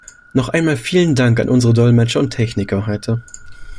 Noch einmal vielen Dank an unsere Dolmetscher und Techniker heute.